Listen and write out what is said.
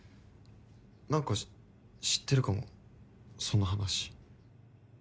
なんか知ってるかもその話。